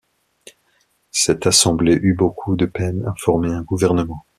Cette Assemblée eut beaucoup de peine à former un gouvernement.